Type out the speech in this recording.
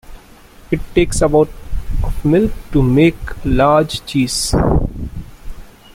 It takes about of milk to make a large cheese.